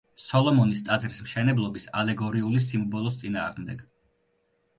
სოლომონის ტაძრის მშენებლობის ალეგორიული სიმბოლოს წინააღმდეგ.